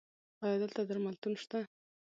ایا دلته درملتون شته؟